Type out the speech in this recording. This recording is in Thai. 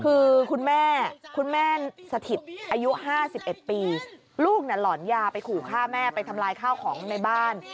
คือคุณแม่คุณแม่สถิตอายุ๕๑ปีลูกหลอนยาไปขู่ฆ่าแม่ไปทำลายข้าวของในบ้าน